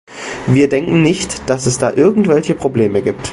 Wir denken nicht, dass es da irgendwelche Probleme gibt.